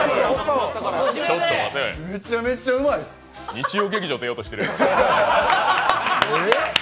日曜劇場出ようとしてるやろ。